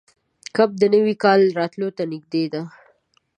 کب د نوي کال راتلو ته نږدې ده.